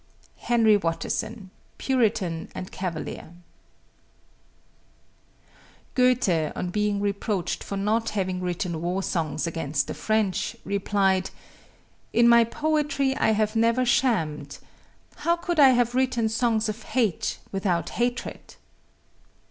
HENRY WATTERSON, Puritan and Cavalier. Goethe, on being reproached for not having written war songs against the French, replied, "In my poetry I have never shammed. How could I have written songs of hate without hatred?"